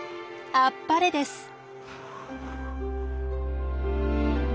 あっぱれです。